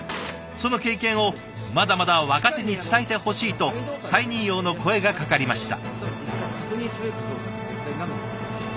その経験をまだまだ若手に伝えてほしいと再任用の声がかかりました。